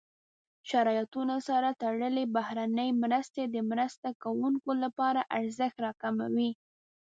شرایطو سره تړلې بهرنۍ مرستې د مرسته کوونکو لپاره ارزښت راکموي.